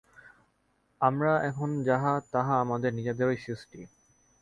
আমরা এখন যাহা, তাহা আমাদের নিজেদেরই সৃষ্টি।